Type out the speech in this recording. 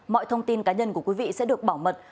mọi thông tin cá nhân của quý vị sẽ được bảo mật